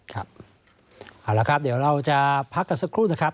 ครับเอาละครับเดี๋ยวเราจะพักกันสักครู่นะครับ